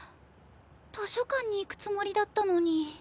図書館に行くつもりだったのに。